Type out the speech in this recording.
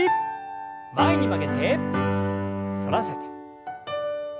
前に曲げて反らせて。